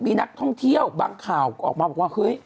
มีนักท่องเที่ยวบางข่าวออกมาบอกว่าเฮ้ย